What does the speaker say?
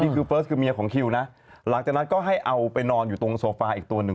คือเฟิร์สคือเมียของคิวนะหลังจากนั้นก็ให้เอาไปนอนอยู่ตรงโซฟาอีกตัวหนึ่ง